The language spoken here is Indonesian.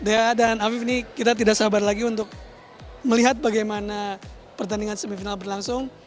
dea dan afif ini kita tidak sabar lagi untuk melihat bagaimana pertandingan semifinal berlangsung